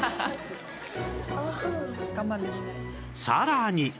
さらに